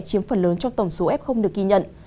chiếm phần lớn trong tổng số f được ghi nhận